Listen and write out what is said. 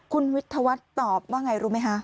คุณวิทยาวัตรตอบว่าอย่างไรรู้ไหม